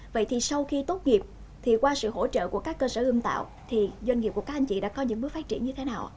vậy thì sau khi tốt nghiệp thì qua sự hỗ trợ của các cơ sở ươm tạo thì doanh nghiệp của các anh chị đã có những bước phát triển như thế nào